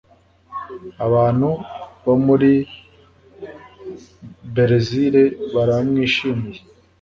abantu bo muri berezile baramwishimiye